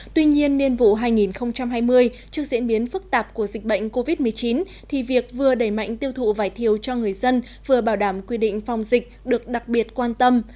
tuy nhiên niên vụ hai nghìn hai mươi trước diễn biến phức tạp của dịch bệnh covid một mươi chín thì việc vừa đẩy mạnh tiêu thụ vải thiều cho người dân vừa bảo đảm quy định phòng dịch được đặc biệt quan tâm